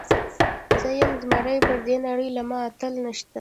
زۀ يم زمری پر دې نړۍ له ما اتل نيشته